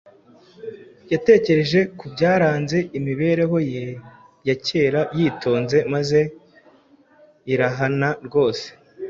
Yatekereje ku byaranze imibereho ye ya kera yitonze maze arihana rwose.